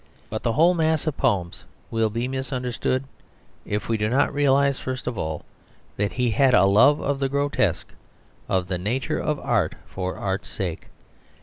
But the whole mass of poems will be misunderstood if we do not realise first of all that he had a love of the grotesque of the nature of art for art's sake.